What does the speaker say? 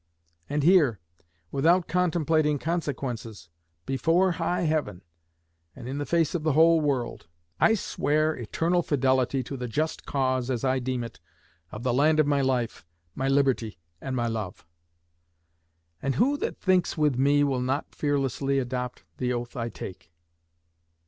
And here, without contemplating consequences, before high Heaven and in the face of the whole world, I swear eternal fidelity to the just cause, as I deem it, of the land of my life, my liberty, and my love. And who that thinks with me will not fearlessly adopt the oath I take?